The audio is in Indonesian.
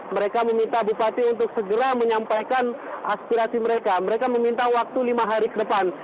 mereka meminta bupati untuk segera menyampaikan aspirasi mereka mereka meminta waktu lima hari ke depan